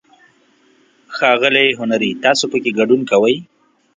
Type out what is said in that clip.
ښاغلی هنري، تاسو پکې ګډون کوئ؟